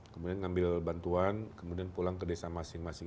kemudian ngambil bantuan kemudian pulang ke desa masing masing